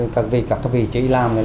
các vị trí làm